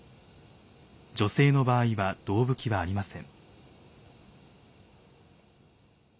女性の場合は胴拭きはありません。